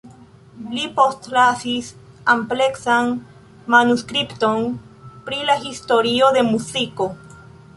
Li postlasis ampleksan manuskripton pri la historio de muziko.